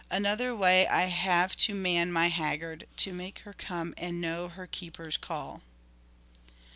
Another way I have to man my haggard, To make her come and know her keeper's call."